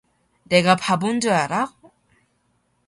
내가 바본 줄 알아?